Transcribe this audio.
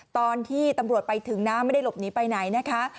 ตอนที่ตำรวจไปถึงนะไม่ได้หลบหนีไปไหนนะคะ